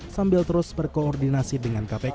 sambil terus berkoordinasi dengan kpk